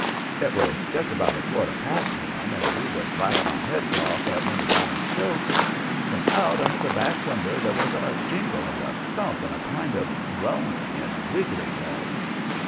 It was just about quarter past one and we was laughing our heads off at one of Brown's jokes, when out under the back window there was a jingle and a thump and a kind of groaning and wiggling noise.